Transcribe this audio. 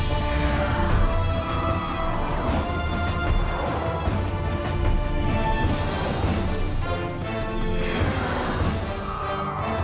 โปร่งใสธรรมาภิบาลท่านบอกว่า